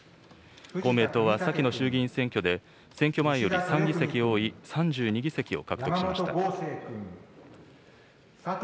公明党は先の衆議院選挙で、選挙前より３議席多い３２議席を獲得しました。